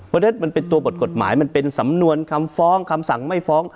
เพราะฉะนั้นมันเป็นตัวบทกฎหมายมันเป็นสำนวนคำฟ้องคำสั่งไม่ฟ้อง